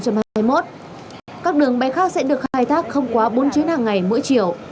các đường bay khác sẽ được khai thác không quá bốn chuyến hàng ngày mỗi chiều